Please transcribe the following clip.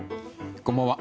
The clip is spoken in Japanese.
こんばんは。